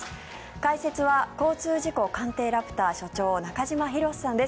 解説は交通事故鑑定ラプター所長中島博史さんです。